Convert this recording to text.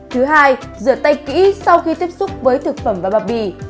thứ hai rửa tay kỹ sau khi tiếp xúc với thực phẩm và bao bì